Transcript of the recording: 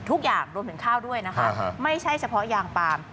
ทุกอย่างรวมถึงข้าวด้วยนะคะไม่ใช่เฉพาะยางปาล์ม